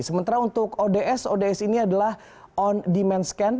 sementara untuk ods ods ini adalah on demand scan